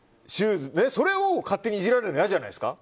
それを勝手にいじられるのは嫌じゃないですか？